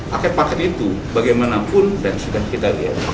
paket paket itu bagaimanapun dan sudah kita lihat